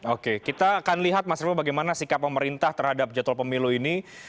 oke kita akan lihat mas revo bagaimana sikap pemerintah terhadap jadwal pemilu ini